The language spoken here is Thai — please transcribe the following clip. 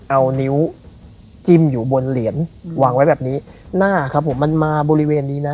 เอานิ้วจิ้มอยู่บนเหรียญวางไว้แบบนี้หน้าครับผมมันมาบริเวณนี้นะ